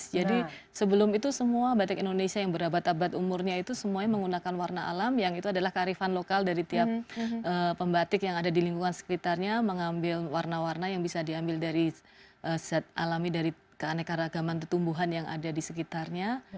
jadi sebelum itu semua batik indonesia yang berabad abad umurnya itu semuanya menggunakan warna alam yang itu adalah kearifan lokal dari tiap pembatik yang ada di lingkungan sekitarnya mengambil warna warna yang bisa diambil dari set alami dari keanekaragaman tertumbuhan yang ada di sekitarnya